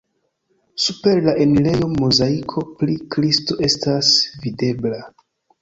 Super la enirejo mozaiko pri Kristo estas videbla.